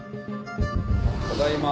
ただいま。